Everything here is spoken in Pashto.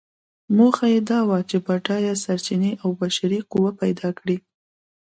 موخه یې دا وه چې بډایه سرچینې او بشري قوه پیدا کړي.